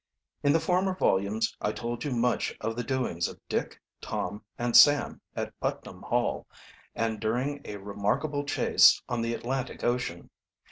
In the former volumes I told you much of the doings of Dick, Tom, and Sam at Putnam Hall and during a remarkable chase on the Atlantic Ocean.